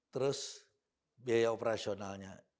terus biaya operasionalnya